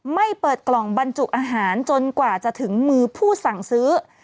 เปิดกล่องบรรจุอาหารจนกว่าจะถึงมือผู้สั่งซื้อ